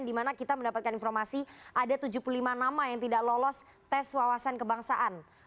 dimana kita mendapatkan informasi ada tujuh puluh lima nama yang tidak lolos tes wawasan kebangsaan